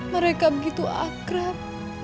mereka begitu akrab